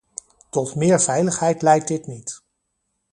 Tot meer veiligheid leidt dit niet.